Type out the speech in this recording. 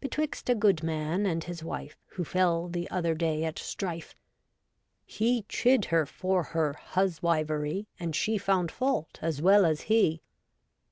Betwixt a good man and his wife Who fell the other day at strife. He chid her for her huswivery. And she found fault as well as he.